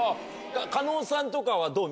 狩野さんとかはどう？